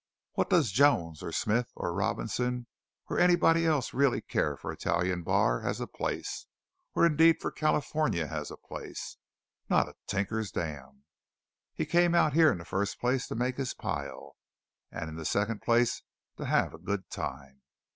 What does Jones or Smith or Robinson or anybody else really care for Italian Bar as a place; or, indeed, for California as a place? Not a tinker's damn! He came out here in the first place to make his pile, and in the second place to have a good time.